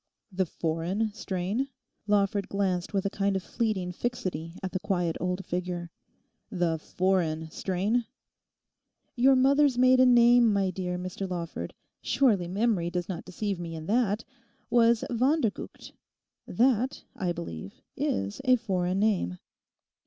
'The foreign strain?' Lawford glanced with a kind of fleeting fixity at the quiet old figure. 'The foreign strain?' Your mother's maiden name, my dear Mr Lawford, surely memory does not deceive me in that, was van der Gucht. That, I believe, is a foreign name.